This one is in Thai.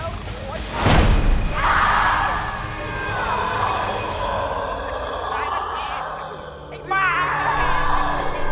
หัวใหม่วะน้องกูยิ่งลำไปไกลแล้วอ่ะ